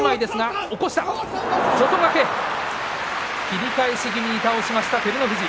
切り返し気味に相手を倒しました、照ノ富士。